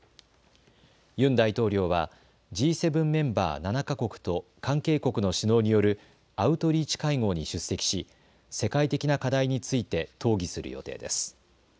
ユン大統領はＧ７メンバー７か国と関係国の首脳によるアウトリーチ会合に出席し世界的な課題について討議する予定です。